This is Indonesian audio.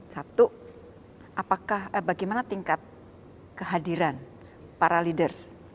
satu apakah bagaimana tingkat kehadiran para leaders